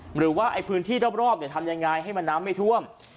หรือว่าพื้นที่รอบทำยังไงให้มันน้ำไม่ท่วม